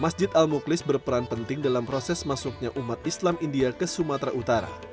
masjid al mukhlis berperan penting dalam proses masuknya umat islam india ke sumatera utara